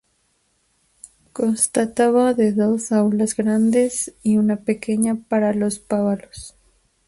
Constaba de dos aulas grandes y una pequeña para los párvulos.